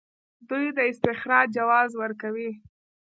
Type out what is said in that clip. دوی د استخراج جواز ورکوي.